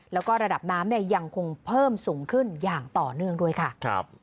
แล้วก็ระดับน้ำเนี่ยยังคงเพิ่มสูงขึ้นอย่างต่อเนื่องด้วยค่ะ